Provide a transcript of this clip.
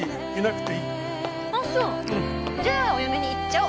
じゃあお嫁にいっちゃおう。